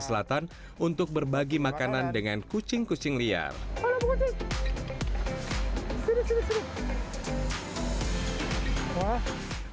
selatan untuk berbagi makanan dengan kucing kucing liar kalau bukit bukit